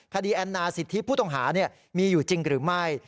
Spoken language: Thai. แอนนาสิทธิผู้ต้องหามีอยู่จริงหรือไม่